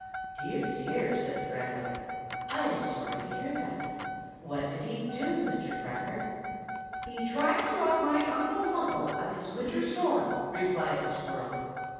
"Dear, dear!" said the grandmother. "I am sorry to hear that. What did he do, Mr. Cracker?" "He tried to rob my Uncle Munkle of his winter store!" replied the squirrel.